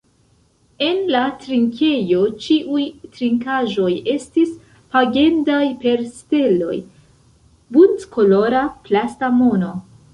En la trinkejo ĉiuj trinkaĵoj estis pagendaj per steloj, buntkolora plasta mono.